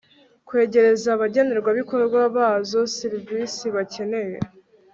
kwegereza abagenerwabikorwa bazoserivisibakeneye